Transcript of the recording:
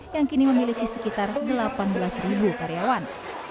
yang kini memiliki sekitar delapan belas ribu karyawan